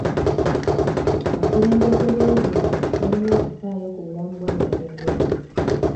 Bakulembeze b'ebyalo balina okufaayo ku bulamu bw'abatembeeyi.